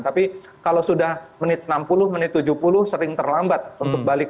tapi kalau sudah menit enam puluh menit tujuh puluh sering terlambat untuk balik